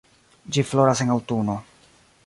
Ĝi floras en aŭtuno.